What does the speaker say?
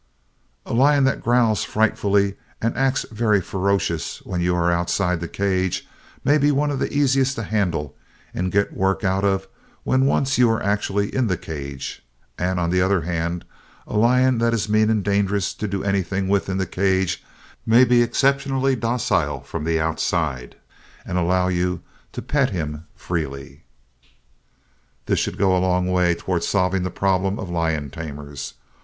"A lion that growls frightfully and acts very ferocious when you are outside the cage may be one of the easiest to handle and get work out of when once you are actually in the cage; and on the other hand, a lion that is mean and dangerous to do anything with in the cage may be exceptionally docile from the outside and allow you to pet him freely." This should go a long way toward solving the problems of lion tamers.